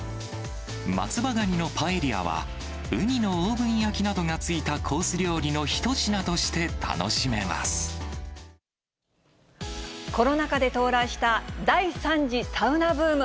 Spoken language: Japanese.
松葉がにのパエリアは、ウニのオーブン焼きなどがついたコース料理の一品として楽しめまコロナ禍で到来した第３次サウナブーム。